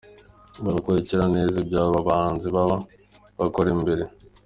Barakurikirana neza ibyo aba bahanzi baba bakora imbere.